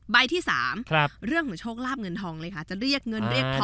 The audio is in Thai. ที่๓เรื่องของโชคลาบเงินทองเลยค่ะจะเรียกเงินเรียกทอง